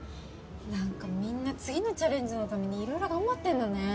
何かみんな次のチャレンジのために色々頑張ってんだね。